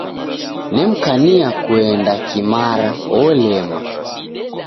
Nemkania kuenda kimara, olema.